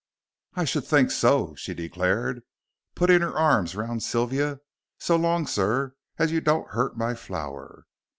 "I should think so," she declared, putting her arms round Sylvia, "so long, sir, as you don't hurt my flower."